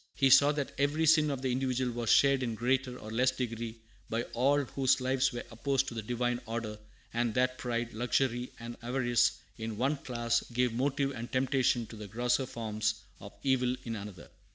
He saw that every sin of the individual was shared in greater or less degree by all whose lives were opposed to the Divine order, and that pride, luxury, and avarice in one class gave motive and temptation to the grosser forms of evil in another.